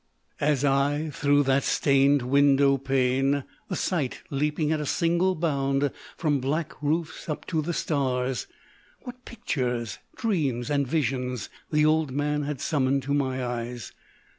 THE OLD MAN OF VISIONS 269 Ah I through that stained window pane, the sight leaping at a single bound from black roofs up to the stars, what pictures, dreams, and visions the Old Man has summoned to my eyes